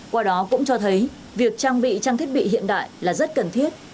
qua đó cũng cho thấy việc trang bị trang thiết bị hiện đại là rất cần thiết